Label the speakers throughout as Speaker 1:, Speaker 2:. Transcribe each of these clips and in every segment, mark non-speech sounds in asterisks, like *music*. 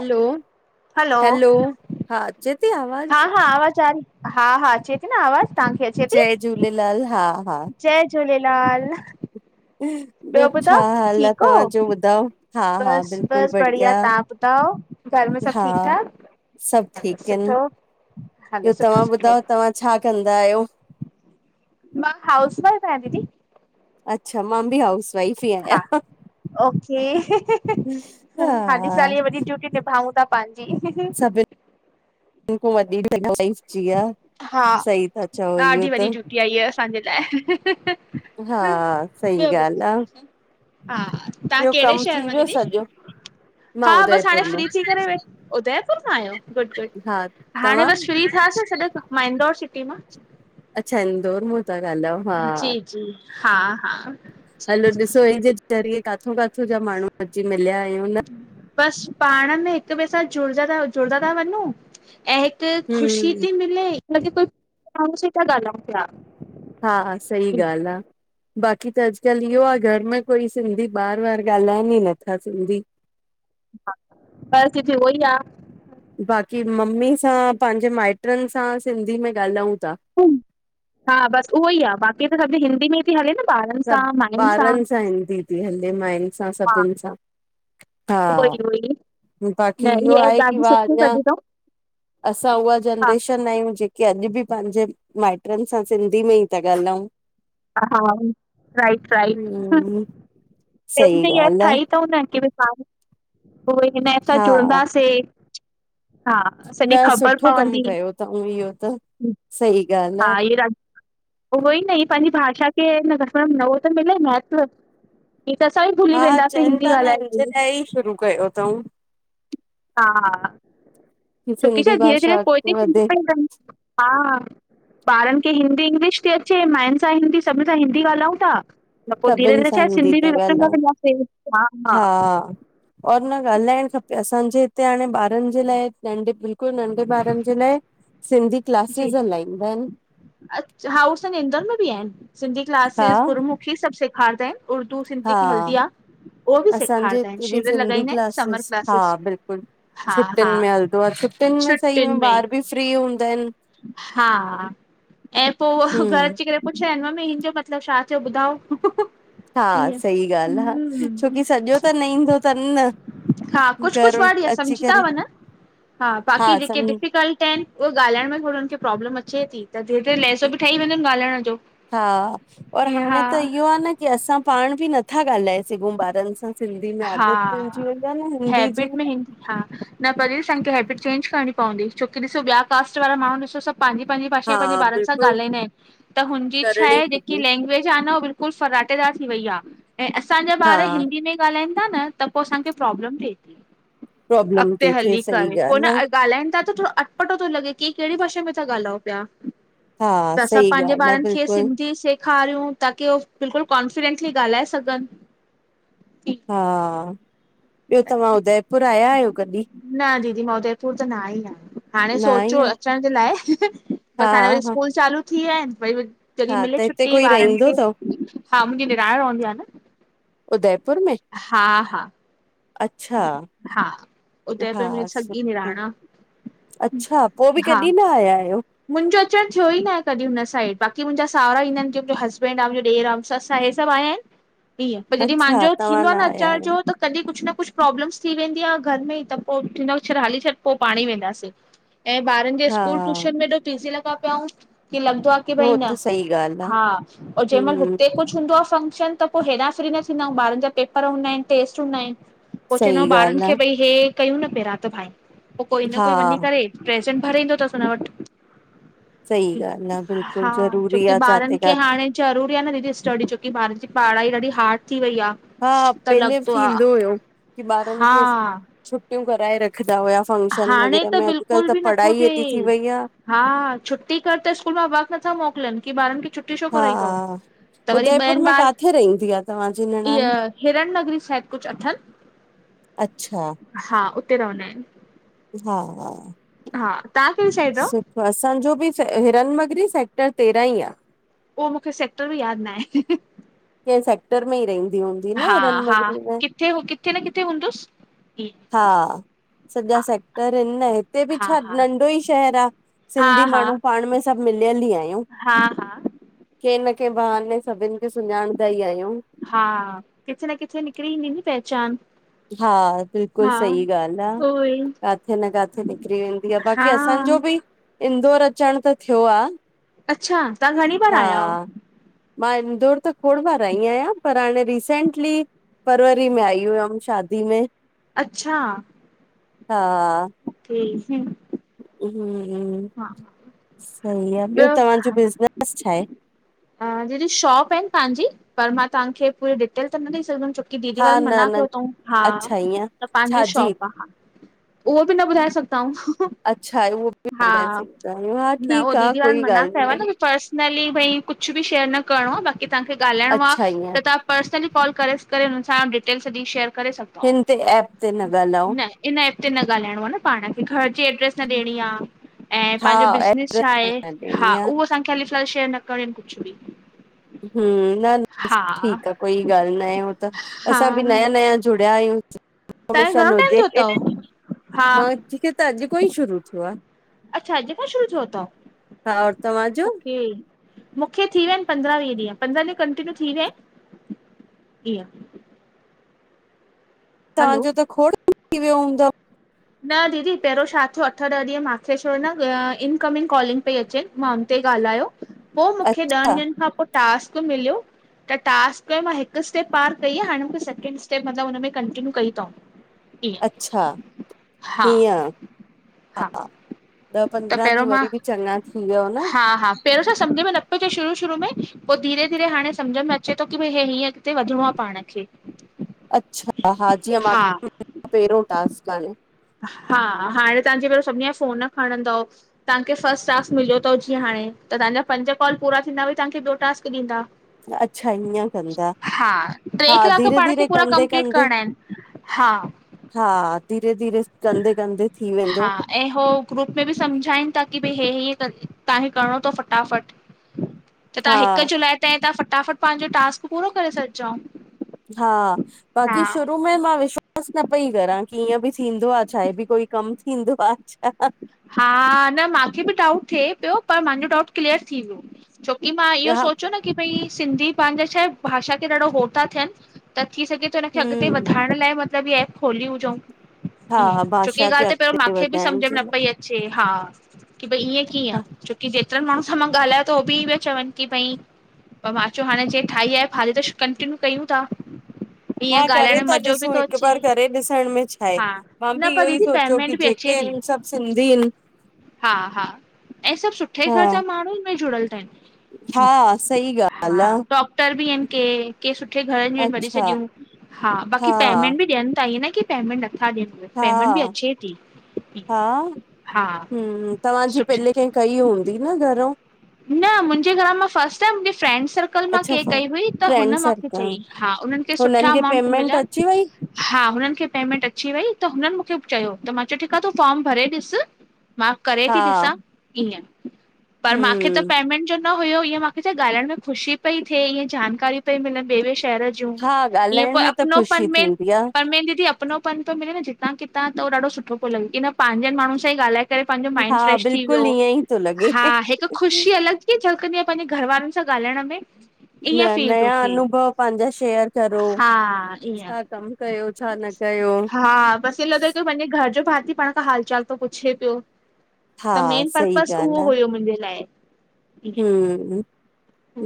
Speaker 1: हलो,
Speaker 2: hello
Speaker 1: hello, हा अचेती आवाज़?
Speaker 2: हा हा आवाज़ आ रही, हा हा अचे ती न आवाज़ तहांखे अचे ती?
Speaker 1: जय झूलेलाल हा हा
Speaker 2: जय झूलेलाल ॿियो
Speaker 1: छा
Speaker 2: ॿुधाओ,
Speaker 1: हाल आ
Speaker 2: ठीक हो,
Speaker 1: तव्हांजो ॿुधायो? हा हा
Speaker 2: बसि
Speaker 1: बिल्कुलु
Speaker 2: बसि बढ़िया तव्हां ॿुधाओ? घर में सभु
Speaker 1: हा
Speaker 2: ठीकु ठाक?
Speaker 1: सभु
Speaker 2: हलो
Speaker 1: ठीकु हिनि,
Speaker 2: सुठो हलो
Speaker 1: ॿियो
Speaker 2: सुठो
Speaker 1: तव्हां
Speaker 2: सुठो
Speaker 1: ॿुधायो तव्हां छा कंदा आहियो?
Speaker 2: मां हाउस वाइफ आहियां दीदी।
Speaker 1: अच्छा मां बि हाउस वाइफ ही
Speaker 2: हा
Speaker 1: आहियां।
Speaker 2: ओके,
Speaker 1: हा
Speaker 2: हाल साली वॾी ट्यूटी निभाऊ था पंहिंजी।
Speaker 1: सभ वधीक *unintelligible* जीया सही था चओ इहो त।
Speaker 2: आई आए असांजे लाइ।
Speaker 1: हा सही
Speaker 2: ॿियो ॿुध
Speaker 1: ॻाल्हि आ
Speaker 2: हा, तां
Speaker 1: ॿियो
Speaker 2: केड़े
Speaker 1: कमु
Speaker 2: शहर
Speaker 1: थी
Speaker 2: मां
Speaker 1: वियो
Speaker 2: दीदी?
Speaker 1: सॼो? मां
Speaker 2: हा बस हाणे
Speaker 1: उदयपुर मां
Speaker 2: फ्री थी करे वे, उदयपुर खांआहियो! गुॾ- गुॾ,
Speaker 1: हा
Speaker 2: हाणे
Speaker 1: तव्हां
Speaker 2: बस फ्री थियासु। सॼ मां इंदौर सिटी मां।
Speaker 1: अच्छा इंदौर मां था ॻाल्हायो, हा।
Speaker 2: जी जी, हा- हा
Speaker 1: हलो ॾिसो हिन जे ज़रिए काथो- काथो जा माण्हू अची मिलिया आहियूं न।
Speaker 2: बस पाण में हिक ॿिए सां जुड़ंदा ता -जुड़ंदा ता वञूं ऐं त ख़ुशी
Speaker 1: हम्म
Speaker 2: थी मिले हिन कि कोई माण्हू सां था ॻाल्हायूं पिया।
Speaker 1: हा हा, सही ॻाल आ। बाक़ी त अॼुकल्ह इहो आ घर में कोई सिंधी ॿार वार ॻाल्हाइन ई नथा सिंधी। *inaudible*
Speaker 2: परिस्थिती उहो ई आ।
Speaker 1: बाक़ी मम्मी सां, पंहिंजे माइटनि सां सिंधी में ॻाल्हायूं था।
Speaker 2: हा बस उहो ई आ बाक़ी त सब हिंदी में हल न ॿारन
Speaker 1: सब ॿारन सां ईंदी थी हले, माइयुन सां सभिन सां।
Speaker 2: उहो
Speaker 1: हा,
Speaker 2: ई उहो ई
Speaker 1: बाक़ी
Speaker 2: न
Speaker 1: इहो
Speaker 2: इहा
Speaker 1: आहे कि
Speaker 2: ॾाढी
Speaker 1: वा
Speaker 2: सुठी
Speaker 1: अंञा
Speaker 2: कढी अथऊं
Speaker 1: असां उहा
Speaker 2: हा
Speaker 1: जनरेशन आहियूं जेके अॼु बि पंहिंजे माइट्रन सां सिंधी में ई था ॻाल्हाउं।
Speaker 2: हा, राइट।
Speaker 1: हम्म सही
Speaker 2: पंहिंजी एप
Speaker 1: ॻाल्हि आ
Speaker 2: ठाही अथऊं न कि भ पो हिनसां
Speaker 1: हा
Speaker 2: जुड़ंदासीं। हा
Speaker 1: *inaudible*
Speaker 2: सॼी
Speaker 1: न
Speaker 2: ख़बर
Speaker 1: सुठो कमु
Speaker 2: पवंदी
Speaker 1: कयो थऊं इहो त, सही ॻाल आ।
Speaker 2: हा इहे ॾाढी उहो ई न, ई पंहिंजी भाषा खे न घट में घट न उहो त मिले महत्व। हींअ त असां बि भुली वेंदासीं हिंदी ॻाल्हाए करे।
Speaker 1: शरू कयो तंउं।
Speaker 2: हा, *unintelligible*
Speaker 1: की
Speaker 2: चुकी छा
Speaker 1: सिंधी
Speaker 2: धीरे
Speaker 1: भाषा
Speaker 2: धीर पोइ
Speaker 1: अॻिते
Speaker 2: च
Speaker 1: वधे
Speaker 2: हा ह ॿारनि खे हिंदी इंग्लिश थी अचे, माइयुनि सां हिंदी, सभिनीन सां हिंदी ॻाल्हायूं था। त पो धीरे
Speaker 1: सभिनि
Speaker 2: धीरे
Speaker 1: सां
Speaker 2: छाहे
Speaker 1: हिंदी
Speaker 2: सिंधी
Speaker 1: था
Speaker 2: बि विसरिंदा
Speaker 1: ॻाल्हायूं
Speaker 2: वेंदासीं।
Speaker 1: हा और न ॻाल्हाइणु खपे, असांजे हिते हाणे ॿारन जे लाए नंढे बिल्क नंढे ॿारनि जे लाइ सिंधी
Speaker 2: जी
Speaker 1: क्लासेिस हलाईंदा आहिन।
Speaker 2: अ हा उ असांजे इंदौर में बि आहिन, सिंधी
Speaker 1: हा
Speaker 2: क्लासिस गुरमुखी सब सेखारींदा आहिन। उर्दू सिंधी
Speaker 1: हा
Speaker 2: की हलदी आ।
Speaker 1: असांजे हिते बि सिंधी
Speaker 2: आहिनि समर
Speaker 1: क्लासिस, हा
Speaker 2: क्लासिस
Speaker 1: बिल्कुलु।
Speaker 2: हा हा
Speaker 1: छुटियुनि में हलंदो आ, छुटियुनि में सही में ॿार बि फ्री हूंदा आहिन।
Speaker 2: हा, ऐं पो उह
Speaker 1: हम्म
Speaker 2: घरु अची करे पुछंदा आहिन मम्मी हिन जो मतिलबु छा थ्यो ॿुधायो।
Speaker 1: हा सही ॻाल आ, छोकी सॼो त न ईंदो अथन न।
Speaker 2: हा कुछ
Speaker 1: घर
Speaker 2: कुछ वर्ड
Speaker 1: अची
Speaker 2: सम्झी ता
Speaker 1: करे
Speaker 2: वंञन, हा बाक़ी जेके डिफीकल्ट टैन उ ॻाल्हाइण में थोड़ो हुनखे प्रोब्लम अचे थी। त धीरे धीरे लहजो बि ठही वेंदो ॻाल्हाइण जो
Speaker 1: हा और
Speaker 2: ईअं
Speaker 1: हाणे
Speaker 2: हा।
Speaker 1: त इहो आ न की असां पाण बि नथा ॻाल्हाए सघूं ॿारनि सां। सिंधी में आदत पएजी
Speaker 2: हा
Speaker 1: वेंदी आ न हिंदी जी
Speaker 2: हैबिट में हिन हा न पर इंसान खे हैबिट चेंज करणी पवंदी छोकी ॾिसो ॿिया कास्ट वारा माण्हू ॾिसो सभु पांजी पांजी भाषा
Speaker 1: हा
Speaker 2: पंहिंजे ॿारनि सां
Speaker 1: बिल्कुलु
Speaker 2: ॻाल्हाईंदा आहिनि त हुनजी छा
Speaker 1: करणी
Speaker 2: आहे
Speaker 1: खपे
Speaker 2: जेकी लैंग्वेज आहे न बिल कुल फराटेदार थी वई आ ऐं असांजा
Speaker 1: हा
Speaker 2: ॿार हिंदी में गाल्हाईंदा न त पो असांखे प्रोब्लेम थे ती
Speaker 1: प्रॉब्लम
Speaker 2: अगिते
Speaker 1: थी थिए
Speaker 2: हली
Speaker 1: सही
Speaker 2: करे पो न
Speaker 1: ॻाल्हि आ
Speaker 2: अ ॻाल्हाइन था त थोरो अटपटो थो लॻे की कहिड़ी भाषे में ता ॻाल्हायो पिया।
Speaker 1: हा
Speaker 2: त असां
Speaker 1: सही
Speaker 2: पांजे
Speaker 1: ॻाल्हि आ
Speaker 2: ॿारनि खे
Speaker 1: बिल्कुलु
Speaker 2: सिंधी सेख खारियूं ताकी हू बिल्कुलु कॉन्फिडेंटली ॻाल्हाए सघन।
Speaker 1: हा, ॿियो तव्हां उदयपुर आया आहियो कॾहिं?
Speaker 2: न दीदी मां उदयपुर त न आईयां। हाणे
Speaker 1: न आई
Speaker 2: सोचियो
Speaker 1: आहियो
Speaker 2: अचण जे लाइ
Speaker 1: हा
Speaker 2: बसि हाणे वरी
Speaker 1: हा
Speaker 2: स्कूल चालू थी विया आहिनि वरी री जॾहिं
Speaker 1: हा त
Speaker 2: मिले
Speaker 1: हिते
Speaker 2: छुटी
Speaker 1: कोई
Speaker 2: ॿारनि
Speaker 1: रहंदो
Speaker 2: खे
Speaker 1: तव
Speaker 2: हा मुंजी निणान रहंदी आ न।
Speaker 1: उदयपुर में?
Speaker 2: हा हा,
Speaker 1: अच्छा।
Speaker 2: हा उदयपुर में
Speaker 1: हा,
Speaker 2: मुंहिंजी सॻी निणान आ
Speaker 1: अच्छा पोइ बि कॾहिं न आया आयो?
Speaker 2: मुंजो अचणु थियो ई न आहे कॾहिं हुन साइड बाक़ी मुंजा साहुरा ईंदा आहिनि की मुंहिंजो हसबैंड आ मुंजो ॾेर आ मुंजी ससु आहे हे सभु आया इन।
Speaker 1: *unintelligible*
Speaker 2: ईअं पर जॾहिं
Speaker 1: अच्छा
Speaker 2: मांजो
Speaker 1: तव्हां
Speaker 2: थींदो आ न
Speaker 1: आया
Speaker 2: अचण
Speaker 1: आहियो।
Speaker 2: जो त तॾीं कुझु न कुझु प्रॉब्लम्स थी वेंदी आ घर में त पो थींदो आ हाली छॾ पो पाणी वेंदासीं। ऐं ॿारनि जे
Speaker 1: हा
Speaker 2: स्कूल ट्यूशन में एॾो बिज़ी लॻा पियाऊं की लॻदो आ की भई
Speaker 1: हो
Speaker 2: न,
Speaker 1: त सही ॻाल्हि आ,
Speaker 2: हा जंहिं मल
Speaker 1: हम्म
Speaker 2: हुते कुझु हदो आ फंक्शन त पो हेॾा फ्री न थींदाऊं ॿारनि जा पेपर हूंदा आहिन टेस्ट हूंदा आहिन। पो
Speaker 1: सही
Speaker 2: चवंदो ॿारनि
Speaker 1: ॻाल्हि आ।
Speaker 2: खे भई हे कयूं न पैरा त भाई पो कोई न कोई वञी
Speaker 1: हा
Speaker 2: करे प्रेसेंट भरे ईंदो थस हुन वटि
Speaker 1: सही ॻाल्हि आ बिल्कुलु
Speaker 2: हा
Speaker 1: ज़रूरी
Speaker 2: छोकी
Speaker 1: आ
Speaker 2: ॿारनि
Speaker 1: जाते
Speaker 2: खे
Speaker 1: काथे
Speaker 2: हाणे ज़रूरी आ न दीदी स्टडी छोकी ॿार जी पाढ़ाई ॾाढी हारड थी वई आ।
Speaker 1: हा पहले थींदो हुयो की ॿारनि
Speaker 2: हा
Speaker 1: खे छुटियूं कराए रखदा हुया। फंक्शन
Speaker 2: हाणे
Speaker 1: वग़ैरा
Speaker 2: त
Speaker 1: में अॼुकल्ह
Speaker 2: बिल्कुल
Speaker 1: त
Speaker 2: बि नथो
Speaker 1: पढ़ाई एॾी थी
Speaker 2: थिए
Speaker 1: वई आ।
Speaker 2: हा छुटी कर त स्कूल मां वक नथा मोकिलनि की ॿारनि खे छुट्टी छो
Speaker 1: हा
Speaker 2: कराई तव। त वरी
Speaker 1: उदयपुर
Speaker 2: ॿियनि
Speaker 1: में
Speaker 2: ॿार
Speaker 1: काथे रहंदी आ तव्हांजी निणान?
Speaker 2: इअ हिरन नगरी शायदि कुझु अथन।
Speaker 1: अच्छा।
Speaker 2: हा उते रहंना आयूं।
Speaker 1: हा हा,
Speaker 2: हा तव्हां कहिड़ी साइड रओ?
Speaker 1: त असांजो बि च हिरन मगरी सेक्टर तेरहां ई आ।
Speaker 2: उहो मूंखे सेक्टर बि यादि न आहे।
Speaker 1: कें सेक्टर में ई रहंदी हूंदी न हिरन नगरी में?
Speaker 2: के उ किथे न किथे हूंंदुस।
Speaker 1: हा, सॼा सेक्टर इन न हिते बि
Speaker 2: हा
Speaker 1: छा
Speaker 2: हा
Speaker 1: नंढो ई शहर आ
Speaker 2: हा
Speaker 1: सिंधी
Speaker 2: हा
Speaker 1: माण्हू पाण में सभु मिलियल ई आहिन।
Speaker 2: हा हा,
Speaker 1: कंहिं न कंहिं बहाने सभिनि खे सुञाणंदा ई आहियूं।
Speaker 2: हा किथे न किथे निकिरी ईंदी नी पहचान
Speaker 1: हा बिल्कुल
Speaker 2: हा
Speaker 1: सई ॻाल्हि आहे।
Speaker 2: उहो ई
Speaker 1: काथे न काथे निकिरी वेंदी आहे बाक़ी
Speaker 2: हा
Speaker 1: असांजो बि इंदौर अचण त थियो आहे
Speaker 2: अच्छा, तव्हां घणी बार आया आहियो?
Speaker 1: मां इंदौर त खोड़ बार आई आहियां पर हाणे रीसेंटली फरवरी में आई हुयम शादी में।
Speaker 2: अच्छा
Speaker 1: हा हा
Speaker 2: *unintelligible*
Speaker 1: *unintelligible*
Speaker 2: हा
Speaker 1: सही आहे ॿियो तव्हांजो बिजनेस छाहे?
Speaker 2: हा दीदी शॉप आहिनि पंहिंजी पर मां तव्हांखे पूरी डिटेल त न ॾई सघंदमि छो की दीदी
Speaker 1: हा
Speaker 2: वारनि
Speaker 1: न
Speaker 2: मना
Speaker 1: न
Speaker 2: कयो अथऊं हा
Speaker 1: अच्छा ईअं
Speaker 2: त पंहिंजी
Speaker 1: छाजी
Speaker 2: शॉप आहे हा। उहो बि न ॿुधाए सघदाऊूं। हू हू।
Speaker 1: अछा आहे उओंबि ॿी न बुधाए सगंदा आयू, हा
Speaker 2: न उहो
Speaker 1: ठीकु आहे
Speaker 2: दीदी वारनि
Speaker 1: कोई
Speaker 2: मना
Speaker 1: ॻाल्हि
Speaker 2: कयो
Speaker 1: न आहे।
Speaker 2: की पर्सनली भई कुझु बि शेयर न करिणो आहे बाक़ी तव्हांखे ॻाल्हाइणो
Speaker 1: अच्छा
Speaker 2: आहे
Speaker 1: ईअं
Speaker 2: त तव्हां पर्सनली कॉल करे हुन सां डिटेल् सॼी शेयर करे सघो
Speaker 1: हिन ते एप ते न ॻाल्हायो।
Speaker 2: इन एप ते न ॻाल्हाइणो आहे न पाण खे घर जी एड्रेस न ॾियणी आहे ऐं
Speaker 1: हा
Speaker 2: पंहिंजो बिज़नेस छा
Speaker 1: एड्रेस न
Speaker 2: आहे हा
Speaker 1: ॾियणी आ।
Speaker 2: उहो असांखे हाल फ़िलहाल शेयर न करणिय आहिनि कुझु बि
Speaker 1: हम न न
Speaker 2: हा
Speaker 1: ठीकु आहे कोई ॻाल्हि न आहे हो त
Speaker 2: हा
Speaker 1: असां बि नया नया जुड़िया आहियूं
Speaker 2: तव्हांखे घणो टाइम थियो
Speaker 1: हमेशजे
Speaker 2: अथव हा
Speaker 1: मांे त अॼु खां ई शुरू थियो आहे।
Speaker 2: अच्छा अॼ खो शुरु थ्यो तव
Speaker 1: हा और तव्हांजो?
Speaker 2: ओके मूंखे थीिया आहिनि पंद्रहं वीह ॾींहंंद्रह ॾींह कं्य थी विया आहिनि हलो
Speaker 1: तव्हांजो त खोड़ थी वियो हूंदव?
Speaker 2: न दीदी पहिरियों छा थियो अठ ॾह ॾींहं मूंखे छो न इनकमिंग कॉलिंग पई अचे। मा उन ते ॻाल्हायो पोइ मूंखे ॾहनि
Speaker 1: अच्छा
Speaker 2: ॾींहंनि खां पोइ टास्क मिलियो त टास्क में मां हिकु स्टेप पार कई आहे हाण मूंखे सेकेंड स्टेप मतिलबु हुन में कंटीिन्यू कई अथऊं ईअं
Speaker 1: अचछा
Speaker 2: हा
Speaker 1: हीअं हा हा ॾह
Speaker 2: त
Speaker 1: पंद्रहां
Speaker 2: पहिरियों
Speaker 1: ॾींहं वरी बि चङा थी वियो न।
Speaker 2: पहिरों छा सम्झि में न पियो अच शुरू शुरू में पोइ धीरे धीरे हाणे सम्झ मेंचे थो की भई हे हीअं अिते वधिणो आहे पाण खे।
Speaker 1: अ्छा हा जीअं मूंखे पेरों टास्क आे। हे
Speaker 2: हा हाणे तव्हांजे भहिरं सभिनी जा फोन खणंदव। तव्हांखे फस्ट टास्क मिलियोथव जीअ हाणे त तव्हांजा पंज कॉल पूरा थींदा तव्हखे ॿियो टास् ॾींदा।
Speaker 1: अच्छा ईअं कंदा
Speaker 2: हा टे
Speaker 1: हा
Speaker 2: कलाक
Speaker 1: धीरे
Speaker 2: तपाण खे
Speaker 1: धीरे
Speaker 2: पूरा
Speaker 1: कंदे
Speaker 2: कंप्लीट
Speaker 1: कंदे
Speaker 2: करणा आहिनि। हा
Speaker 1: हा धीरे धीरे कंदे कंदे थी
Speaker 2: हा
Speaker 1: वेंदो।
Speaker 2: ऐं हू ग्रुप में बि सम्झाइनि था की भई हे ह तव्हांखे करिणो थो फटाफट
Speaker 1: *inaudible*
Speaker 2: त तव्हां हिकु जुलाई तेाईं तव्हां फटाफट पंहिंजो टास्क पूरो करे छॾिजो
Speaker 1: हा
Speaker 2: हा
Speaker 1: बाक़ी शुरू उम मां विश्वास न पई करां की ईअं बि थींदो आहे चहे बि कोई कमु थींदो आहे छा।
Speaker 2: हा न मूंखे बि डाउट थिए पियो पर मुंहिंजो डाउट क्लअर थी वियो छोकी मां इहो
Speaker 1: हा
Speaker 2: सोचियो न की भई सिंधी पंहिंजा छा आहे भाषा खे ॾाढो हो था थियनि त थी सघे त हुनखे अॻिते
Speaker 1: हम्म
Speaker 2: वधाइण लाइ मतलबु इहे एप खोली हुजऊं
Speaker 1: हा
Speaker 2: इयं छोकी इय
Speaker 1: भाषा खे
Speaker 2: ॻाल् त पैंरों
Speaker 1: अॻिते
Speaker 2: मांखे बि
Speaker 1: वधाइण
Speaker 2: समझ
Speaker 1: जे
Speaker 2: में न
Speaker 1: लाइ
Speaker 2: पई अचे हा की भई ईअं कीअं
Speaker 1: हा
Speaker 2: छोकी जे जेतिरनि माण्हुनि सां मां ॻाल्हायो त हो बि इयो पा चवनि की भई पर मां चयो हाणे जें ठाही आहे हाली त कंटीन्यू कयूं ता।
Speaker 1: हा
Speaker 2: ईअं ॻाल्हाइण
Speaker 1: करे
Speaker 2: में
Speaker 1: था
Speaker 2: मज़ो बि
Speaker 1: ॾिसूं
Speaker 2: तो
Speaker 1: हिकु
Speaker 2: अचे
Speaker 1: बार करे ॾिसण में छा आहे
Speaker 2: हा
Speaker 1: मां
Speaker 2: न
Speaker 1: बि
Speaker 2: पर
Speaker 1: इहो ई
Speaker 2: दीदी
Speaker 1: सोचियो की
Speaker 2: पेमेंट बि अचे
Speaker 1: जेके
Speaker 2: ती।
Speaker 1: आहिनि सभु सिंधी आहिनि
Speaker 2: हा -हा, ऐं सभु सुठे घर
Speaker 1: हा
Speaker 2: जा माण्हू में जुड़ियल आहिनि।
Speaker 1: हा, सही ॻाल्हि
Speaker 2: हा,
Speaker 1: आ,
Speaker 2: डॉक्टर बि आहिनि के के सुठे घर जूं आहिनि वॾी
Speaker 1: अच्छा
Speaker 2: सॾियूं। हा बाक़ी पेमेंट बि ॾियनि ता ईअं न की पेमेंट नथा ॾियनि पेमेंट बि
Speaker 1: हा
Speaker 2: अचे ती।
Speaker 1: हा, हम्म- तव्हांजी
Speaker 2: सुठे
Speaker 1: पहिले कें कई हूंदी न घरऊं?
Speaker 2: न मुंहिंजे घर मां फस्ट टाइम मुंहिंजी फ्रेंंड सर्कल मां
Speaker 1: अच्छा
Speaker 2: कें
Speaker 1: फ
Speaker 2: कई हुई त हुन
Speaker 1: फ्रेंड
Speaker 2: मांखे
Speaker 1: सर्कल,
Speaker 2: चईं। हा, उन्हनि खे सुठा
Speaker 1: हुननि
Speaker 2: अमाउंट
Speaker 1: पेमेंट
Speaker 2: मिलिया
Speaker 1: अची वई?
Speaker 2: हा हुननि खे पेमेंट अची वई त हुननि मूंखे चयो त मां चयो ठीकु आ तूं फॉर्म भरे ॾिस मां करे ती ॾिसां
Speaker 1: हा,
Speaker 2: ईअं, पर मां
Speaker 1: हम्म,
Speaker 2: जो न हुयो ईअं मांखे छाए ॻाल्हाइण में ख़ुशी पई थे, इअं जानकारी पई मिलनि ॿे -ॿे शहर जूं
Speaker 1: हा ॻाल्हाइण
Speaker 2: ईअं
Speaker 1: में त
Speaker 2: अपनो
Speaker 1: ख़ुशी
Speaker 2: पन में
Speaker 1: थींदी आ,
Speaker 2: परमेन दीदी अपनोपन पियो मिले न जितां- कितां त हो ॾाढो सुठो पो लॻे, किन पांजन माण्हून सां ई ॻाल्हाए करे पांजो माइंड
Speaker 1: हा
Speaker 2: फ्रेश थी
Speaker 1: बिल्कुलु
Speaker 2: वियो,
Speaker 1: ईअं ई थो लॻे।
Speaker 2: हा हिकु ख़ुशी अलॻि कीयं झलकंदी आ, पंहिंजे घर वारनि सां ॻाल्हाइण में,
Speaker 1: न
Speaker 2: ईअं फील थो
Speaker 1: नयां
Speaker 2: थिए।
Speaker 1: अनुभव पांजा शेयर करो,
Speaker 2: हा ईअं।
Speaker 1: छा कमु? कयो छा न कयो?
Speaker 2: मूंखे लॻे तो पांजे घर जो भाती पाण खां हाल चाल तो पुछे पियो, त
Speaker 1: हा,
Speaker 2: मेन
Speaker 1: सही
Speaker 2: पर्पज़
Speaker 1: ॻाल्हि
Speaker 2: उहो
Speaker 1: आ,
Speaker 2: हुयो मुंहिंजे लाइ।
Speaker 1: हम्म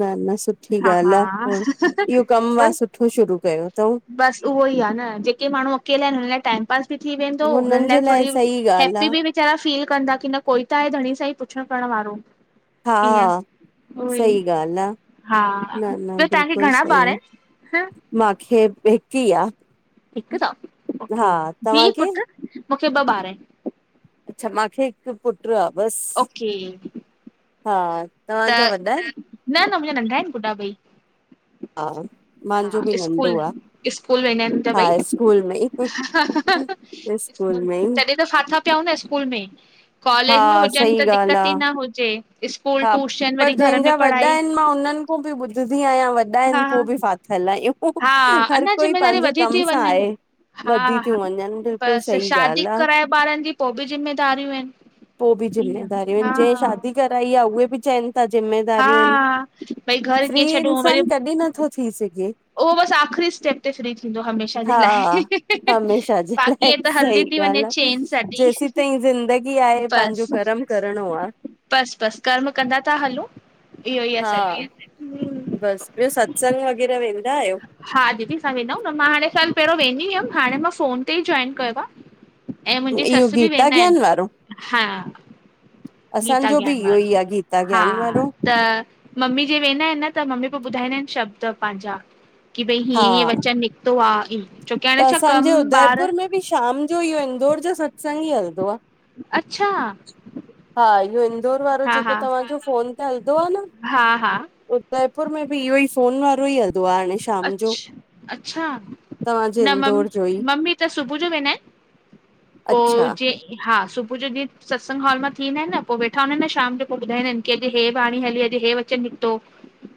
Speaker 1: न -न सुठी
Speaker 2: हा
Speaker 1: ॻाल्हि आ,
Speaker 2: हा
Speaker 1: पाण इहो कमु आ, सुठो शुरू कयो तऊं।
Speaker 2: बस उहो ई आ न जेके माण्हू अकेला इनि हिन टाइम। पास बि थी वेंदो हुननि
Speaker 1: जे
Speaker 2: लाइ थोड़ी
Speaker 1: सही ॻाल्हि आ,
Speaker 2: हैप्पी बि वेचारा फील कंदा की न कोई त आहे धणी सांई पुछण करण वारो। ईअं
Speaker 1: हा।
Speaker 2: उहो ई
Speaker 1: सई ॻाल्हि आ,
Speaker 2: हा
Speaker 1: न -न
Speaker 2: ॿियो तव्हांखे
Speaker 1: बिल्कुलु
Speaker 2: घणा
Speaker 1: सई
Speaker 2: ॿार
Speaker 1: आ।
Speaker 2: आहिनि?
Speaker 1: मांखे हिक ई आ।
Speaker 2: हिकु तव
Speaker 1: हा
Speaker 2: धीअ
Speaker 1: तव्हांखे?
Speaker 2: पुट्र? मुंखे ॿ ॿार आहिनि।
Speaker 1: अच्छा मांखे हिकु पुट्र आ बसि।
Speaker 2: ओके।
Speaker 1: हा,
Speaker 2: त
Speaker 1: तव्हांजा वॾा इन?
Speaker 2: न -न मुंहिंजा नंढा आहिनि, गुढ़ा ॿई।
Speaker 1: *inaudible* हा
Speaker 2: हा
Speaker 1: मांजो बि
Speaker 2: स्कूल
Speaker 1: नंढो आ,
Speaker 2: स्कूल वेंदा आहिनि मुंहिंजा
Speaker 1: हा
Speaker 2: ॿई
Speaker 1: स्कूल में ई स्कूल में ई
Speaker 2: त फाथा पिया हूंदा स्कूल में
Speaker 1: हा
Speaker 2: कॉलेज में हुजनि
Speaker 1: सही
Speaker 2: त
Speaker 1: ॻाल्हि
Speaker 2: दिक्कत ई
Speaker 1: आ,
Speaker 2: न हुजे, स्कूल
Speaker 1: हा
Speaker 2: ट्यूशन वरी
Speaker 1: पर
Speaker 2: घर में
Speaker 1: जंहिंजा वॾा
Speaker 2: पढ़ाई
Speaker 1: आहिनि मां उननि खां बि ॿुधंदी आहियां वॾा आहिनि
Speaker 2: हा
Speaker 1: पो
Speaker 2: हा
Speaker 1: बि फाथल आहियूं।
Speaker 2: हा
Speaker 1: हर
Speaker 2: अञा
Speaker 1: कोई
Speaker 2: ज़िमेदारी
Speaker 1: पांजे
Speaker 2: वधी
Speaker 1: कम
Speaker 2: थी
Speaker 1: सां
Speaker 2: वञनि
Speaker 1: आहे।
Speaker 2: हा
Speaker 1: वधी
Speaker 2: हा
Speaker 1: तियूं वञनि, बिल्कुलु
Speaker 2: बसि
Speaker 1: सही
Speaker 2: शादी
Speaker 1: ॻाल् आ।
Speaker 2: कराए ॿारनि जी पो बि ज़िमेदारियूं इनि।
Speaker 1: पो बि ज़िमेदारियूं ईनि, जंहिं शादी कराई आ उहे बि चइनि ता
Speaker 2: हा
Speaker 1: जिमेदारियूं आहिनि
Speaker 2: भई घर
Speaker 1: फ्री
Speaker 2: कीअं छॾूं वरी
Speaker 1: इंसान कॾीं नथो थी सघे।
Speaker 2: उहो बसि आख़िरी स्टेप ते फ्री थींदो हमेशा जे लाइ, हि, हि, हं, हं का
Speaker 1: ऐं, सही ॻाल्हि आ, जेसीं तई ज़िंदगी आहे पांजो
Speaker 2: बसि
Speaker 1: कर्म करणो आ
Speaker 2: बसि बसि कर्म कंदा था हलो
Speaker 1: हा बसि ॿियो, सत्संग वग़ैरह वेंदा आहियो?
Speaker 2: हा दीदी असां वेंदाऊं न, मां हाणे साल पहिरियों वेंदी हुयमि, हाणे मां फ़ोन तेई जॉइन कयो आ ऐं मुहिंजी
Speaker 1: इहो
Speaker 2: ससु बि
Speaker 1: गीता
Speaker 2: वेंदा
Speaker 1: ज्ञान वारो
Speaker 2: हिनि हा गीता
Speaker 1: असांजो बि
Speaker 2: ॻिआन
Speaker 1: इहो
Speaker 2: वारो
Speaker 1: ई आहे गीता
Speaker 2: हा
Speaker 1: ज्ञान वारो
Speaker 2: त, मम्मी जी वेंदा हिनि न त मम्मी पो ॿुधाईंदा हिनि शब्द पांहिंजा की भई
Speaker 1: हा
Speaker 2: हीअं हीअं वचन निकितो आ, छोकी
Speaker 1: त
Speaker 2: हाणे छा
Speaker 1: असांजे
Speaker 2: कमु बार
Speaker 1: उदयपुर में शाम जो इयो इंदौर जो सत्संग ई हलंदो आ।
Speaker 2: अच्छा
Speaker 1: हा इयो इंदौर वारो
Speaker 2: हा
Speaker 1: जेको
Speaker 2: हा
Speaker 1: तव्हांजो फ़ोन ते हलंदो आ न,
Speaker 2: हा हा
Speaker 1: उ जयपुर में बि इयो ई फ़ोन वारो ई हल
Speaker 2: अछ, अच्छा
Speaker 1: तव्हांजे
Speaker 2: न, मम,
Speaker 1: इंदौर जो ई
Speaker 2: मम्मी त सुबहु जो वेंदा हिनि पो
Speaker 1: अच्छा
Speaker 2: जे हा सुबहु जो ॾींहु सत्संग हॉल मां थी ईदा हिनि, पो वेठा हुननि लाए न शाम जो पो ॿुधाईदा आहिनि, कि अॼु हे बाणी, हली अॼु हे चंद निकतो,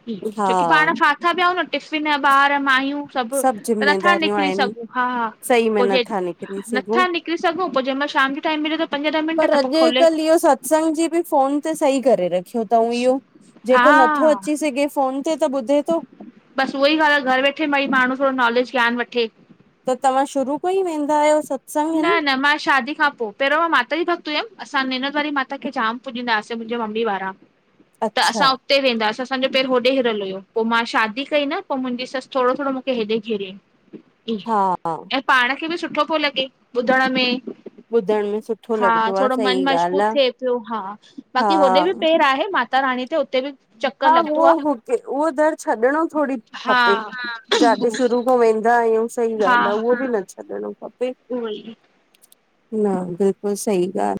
Speaker 2: ई
Speaker 1: हा
Speaker 2: छोकी पाण फाथा पियाऊं न फ़िन ॿार माईयूं सभु, नथा
Speaker 1: ज़िमेदारियूं
Speaker 2: निकिरी
Speaker 1: आहिनि
Speaker 2: सघूं हा,
Speaker 1: सही में
Speaker 2: पो जे
Speaker 1: नथा निकिरी
Speaker 2: नथा
Speaker 1: सघूं
Speaker 2: निकिरी सघूं पो जंहिं महिल शाम जे टाइम मिले, त पंज ॾह मिंट
Speaker 1: पर
Speaker 2: त पो खोले
Speaker 1: अॼुकल्ह इहो सत्संग बि फ़ोन ते सही करे रखियो तव यो,
Speaker 2: हा
Speaker 1: जेको नथो अची से ॻे फ़ोन ते त ॿुधे थो
Speaker 2: बसि वई ॻाल्हि आ घरु वेठे व माण्हूं थोरो नालेज गिआन वठे।
Speaker 1: त तव्हां शुरू खां ई वेंदा आहियो? सत्संग
Speaker 2: न
Speaker 1: हिन
Speaker 2: न मां शादी खां पो पहिरों मां माता जी भक्त हुयमि, असां न नैंनोद वारी माता खे जाम पुॼंदा हासे, मुंजे मम्मी वारा त
Speaker 1: अच्छा
Speaker 2: असां उते वेंदासे असांजो पेैंर होॾे हिरल हुयो, पो मां शादी कई न पोमुंजी ससु, थोरो -थोरो मूंखे हेॾे घिरेए
Speaker 1: *inaudible*
Speaker 2: ई, ऐं पाण खे बि सुठो पियो लॻे, ॿुधण में
Speaker 1: ॿुधण में सुठो
Speaker 2: हा
Speaker 1: लॻंदो आहे
Speaker 2: थोरो मन
Speaker 1: सही ॻाल्हि
Speaker 2: मजबूत
Speaker 1: आहे
Speaker 2: थिए पियो, हा
Speaker 1: हा
Speaker 2: बाक़ी होॾे बि पैर आहे। माता रााणी ते, उते बि चक्कर
Speaker 1: हा
Speaker 2: लॻंदो
Speaker 1: वो
Speaker 2: आ
Speaker 1: उते, उह दर छॾिणो थोरी
Speaker 2: हा
Speaker 1: खपे, जाॾे शुरू खो वेंदा आहियूं सही ॻाल्हि आ, वो बि न छॾिणो खपे
Speaker 2: उवई
Speaker 1: न बिल्कुल सही ॻाल्हि।